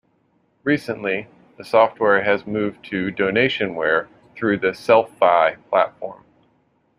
Recently, the software has moved to donationware through the Sellfy platform.